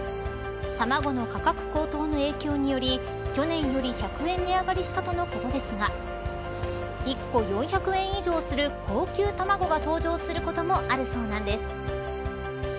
卵の価格高騰の影響により去年より１００円値上がりしたとのことですが１個４００円以上する高級卵が登場することもあるそうなんです。